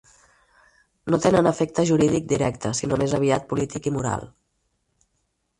No tenen efecte jurídic directe, sinó més aviat polític i moral.